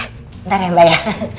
hai ntar ya mbak ya